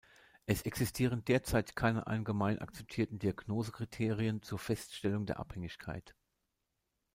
Es existieren derzeit keine allgemein akzeptierten Diagnosekriterien zur Feststellung der Abhängigkeit.